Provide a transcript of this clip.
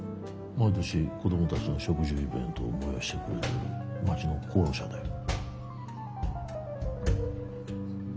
毎年子どもたちの植樹イベントを催してくれてる街の功労者だよ。